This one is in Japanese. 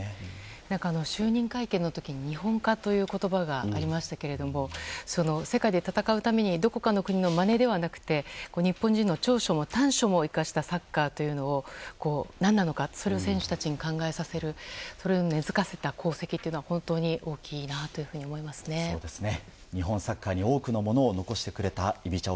就任会見の時に日本化という言葉がありましたけれども世界で戦うためにどこかの国のまねではなくて日本人の長所も短所も生かしたサッカーというのは何なのかそれを選手たちに考えさせてそれを根付かせた功績というのは本当に大きいなと思いましたね。